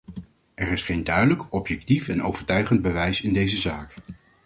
Er is geen duidelijk, objectief en overtuigend bewijs in deze zaak.